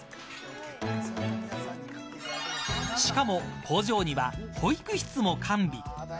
しかも工場には保育室も完備。